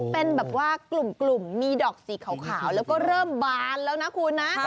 เป็นแบบว่ากลุ่มมีดอกสีขาวแล้วก็เริ่มบานแล้วนะคุณนะ